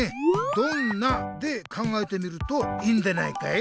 「どんな？」で考えてみるといいんでないかい？